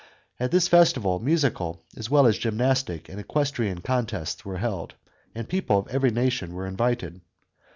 At this festival, musical as well as gymnastic and equestrian contests were held, and people of every nation were invited.